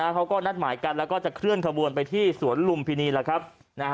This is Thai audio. เขาก็นัดหมายกันแล้วก็จะเคลื่อนขบวนไปที่สวนลุมพินีแล้วครับ